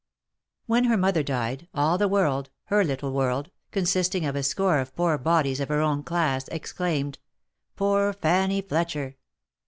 When her mother died, all the world — her little world, consisting of a score of poor bodies of her own class, exclaimed, "Poor Fanny Fletcher